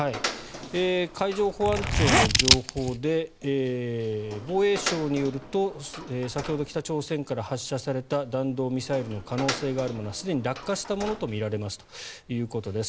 海上保安庁の情報で防衛省によると先ほど、北朝鮮から発射された弾道ミサイルの可能性があるものはすでに落下したものとみられますということです。